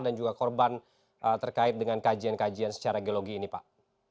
dan juga korban terkait dengan kajian kajian secara geologi ini pak